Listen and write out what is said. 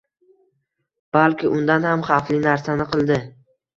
balki undan ham xavfli narsani qildi